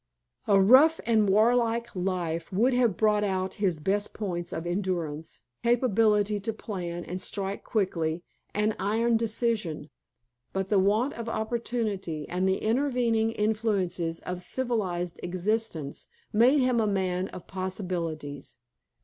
A rough and warlike life would have brought out his best points of endurance, capability to plan and strike quickly, and iron decision; but the want of opportunity and the enervating influences of civilized existence, made him a man of possibilities.